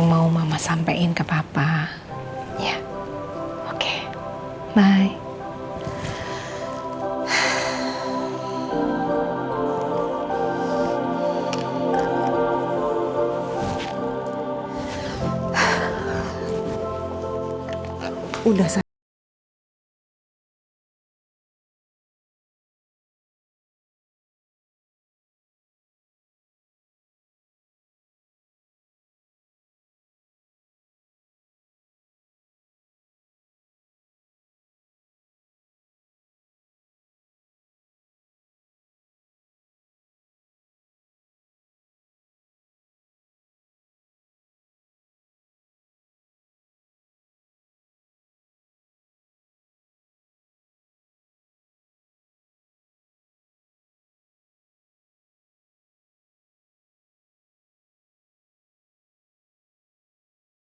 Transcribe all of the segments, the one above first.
gue kira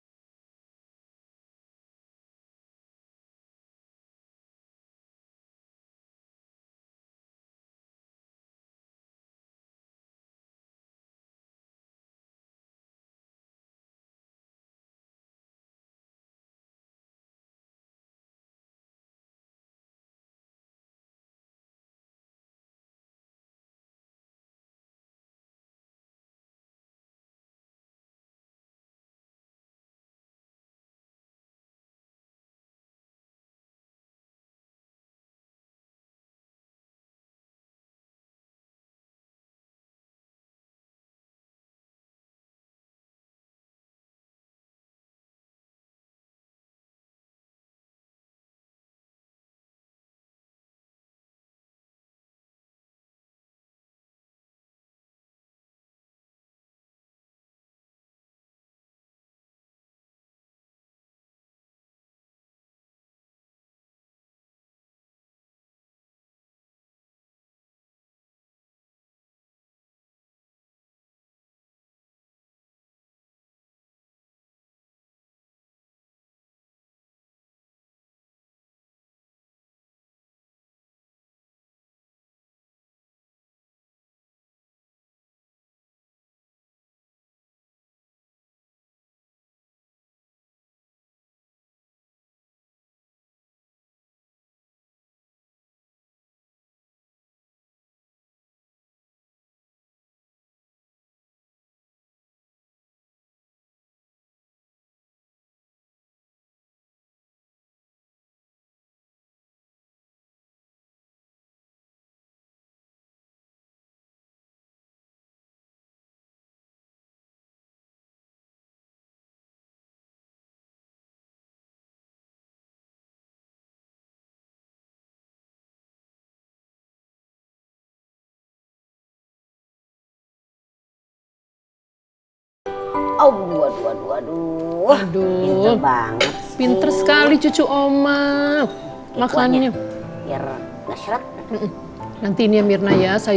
dia